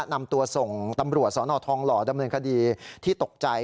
นำตัวส่งตำรวจสนทองหล่อดำเนินคดีที่ตกใจ